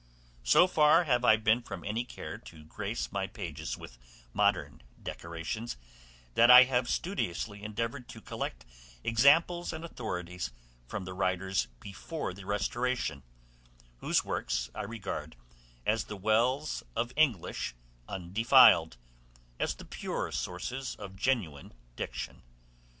So far have I been from any care to grace my pages with modern decorations, that I have studiously endeavored to collect examples and authorities from the writers before the Restoration, whose works I regard as the 'wells of English undefiled,' as the pure sources of genuine diction.